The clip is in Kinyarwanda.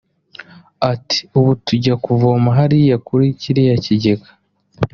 Ati “Ubu tujya kuvoma hariya kuri kiriya kigega